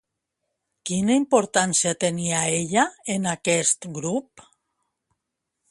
Quina importància tenia ella en aquest grup?